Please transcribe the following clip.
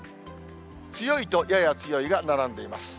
強いとやや強いが並んでいます。